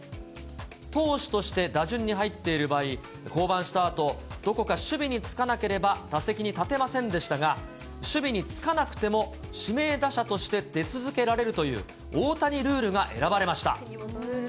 投手として打順に入っている場合、降板したあと、どこか守備につかなければ打席に立てませんでしたが、守備につかなくても指名打者として出続けられるという、大谷ルールが選ばれました。